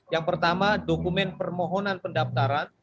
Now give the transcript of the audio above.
yang pertama dokumen permohonan pendaftaran